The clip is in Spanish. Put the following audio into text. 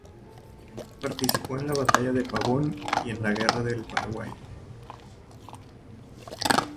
Participó en la batalla de Pavón y en la Guerra del Paraguay.